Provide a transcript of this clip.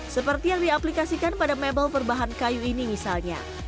seperti yang diaplikasikan pada mebel berbahan kayu ini misalnya